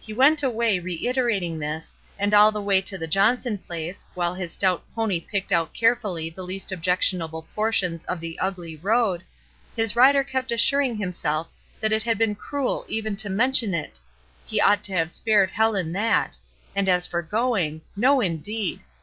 He went away reiterating this, and all the way to the Johnson place, while his stout pony picked out carefully the least objectionable portions of the ugly road, his rider kept assuring himself that it had been cruel even to mention it, — he ought to have spared Helen that, — and as for going — no, indeed